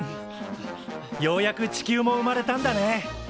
ようやく地球も生まれたんだね。